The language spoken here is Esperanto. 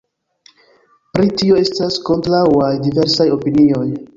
Pri tio estas kontraŭaj diversaj opinioj.